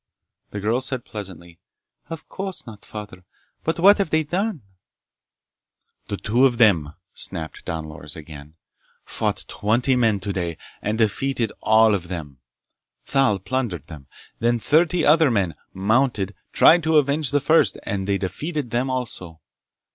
The girl said pleasantly: "Of course not, Father. But what have they done?" "The two of them," snapped Don Loris again, "fought twenty men today and defeated all of them! Thal plundered them. Then thirty other men, mounted, tried to avenge the first and they defeated them also!